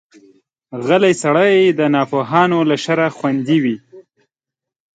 غلی سړی، د ناپوهانو له شره خوندي وي.